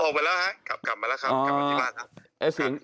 ออกมาแล้วครับกลับมาแล้วครับ